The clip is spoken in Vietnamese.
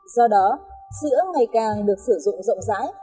do đó sữa ngày càng được sử dụng rộng rãi